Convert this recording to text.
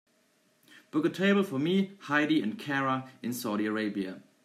book a table for me, heidi and cara in Saudi Arabia